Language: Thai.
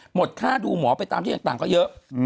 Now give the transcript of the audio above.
หมดค่าดูหมอไปตามที่ต่างก็เยอะ